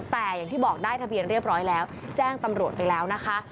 แต่อย่างที่บอกได้ทะเบียนเรียบร้อยแล้วแจ้งตำรวจไปแล้วนะคะ